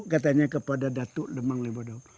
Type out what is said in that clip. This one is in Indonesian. katanya kepada datuk demang lebodo